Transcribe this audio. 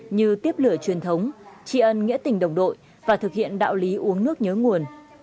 như tiếp lửa truyền thống tri ân nghĩa tình đồng đội và thực hiện đạo lý uống nước nhớ nguồn